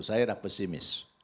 saya adalah pesimis